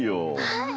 はい。